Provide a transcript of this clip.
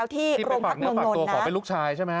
ที่ไปฝากตัวขอไปลุกชายใช่ไหม